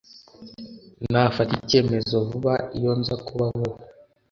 Nafata icyemezo vuba iyo nza kuba wowe